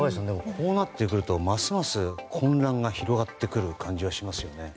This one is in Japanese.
こうなってくるとますます混乱が広がってくる感じがしますね。